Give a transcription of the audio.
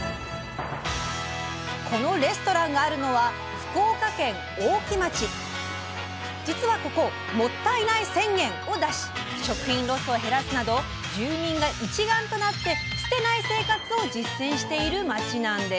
このレストランがあるのは実はここ「もったいない宣言」を出し食品ロスを減らすなど住民が一丸となって捨てない生活を実践している町なんです。